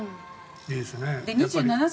いいですね。